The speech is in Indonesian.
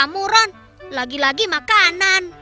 ah kamu ron lagi lagi makanan